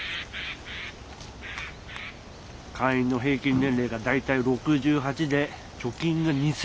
会員の平均年齢が大体６８で貯金が２，０００万。